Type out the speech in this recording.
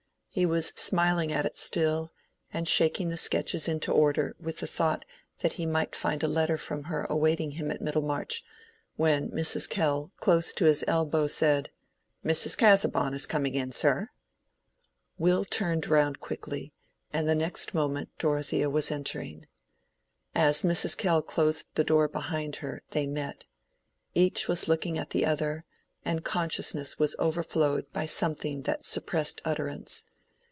He was smiling at it still, and shaking the sketches into order with the thought that he might find a letter from her awaiting him at Middlemarch, when Mrs. Kell close to his elbow said— "Mrs. Casaubon is coming in, sir." Will turned round quickly, and the next moment Dorothea was entering. As Mrs. Kell closed the door behind her they met: each was looking at the other, and consciousness was overflowed by something that suppressed utterance.